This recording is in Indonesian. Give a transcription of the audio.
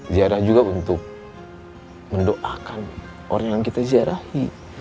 ziarah juga untuk mendoakan orang yang kita ziarahi